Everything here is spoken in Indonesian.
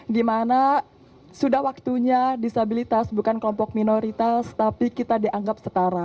dimana sudah waktunya disabilitas bukan kelompok minoritas tapi kita dianggap setara